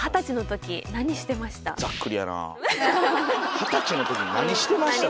二十歳のとき何してましたか？